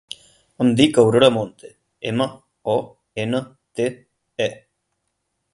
Em dic Aurora Monte: ema, o, ena, te, e.